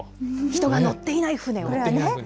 人が乗っていない船を。